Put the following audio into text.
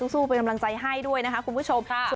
สู้เป็นกำลังใจให้ด้วยนะคะคุณผู้ชม